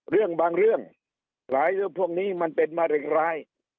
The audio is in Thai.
เรื่องบางเรื่องหลายเรื่องพวกนี้มันเป็นมะเร็งร้าย